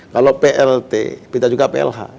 kalau plt kita juga plh